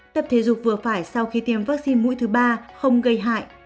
tập thể dục vừa phải sau khi tiêm vaccine mũi thứ ba không gây hại